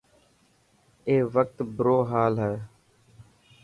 اي وقت برو هال هي.